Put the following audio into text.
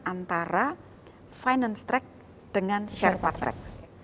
antara finance track dengan sherpa track